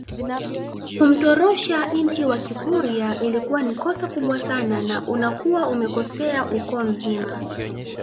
Kumtorosha inti wa kikurya ilikuwa ni kosa kubwa sana na unakuwa umekosea ukoo mzima